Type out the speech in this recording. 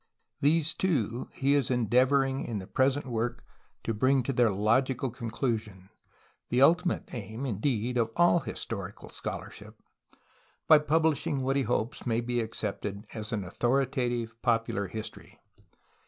These two he is endeavoring in the pres ent work to bring to their logical conclusion — the ultimate aim, indeed, of all historical scholarship — by publishing what he hopes may be accepted as an authoritative popular history.